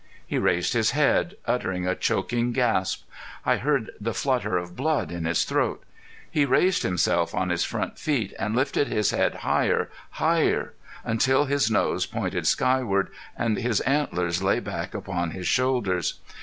He raised his head, uttering a choking gasp. I heard the flutter of blood in his throat. He raised himself on his front feet and lifted his head high, higher, until his nose pointed skyward and his antlers lay back upon his shoulders.